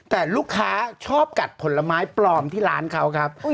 แต่ลูกค้าชอบกัดผลไม้ปลอมที่ร้านเขาครับ